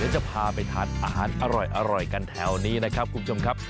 จะพาไปทานอาหารอร่อยกันแถวนี้นะครับคุณผู้ชมครับ